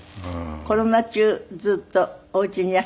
コロナ中ずっとお家にいらしていた。